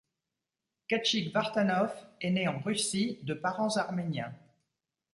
Khatchik Vartanov est né en Russie de parents arméniens.